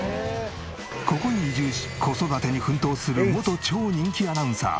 ここに移住し子育てに奮闘する元超人気アナウンサー。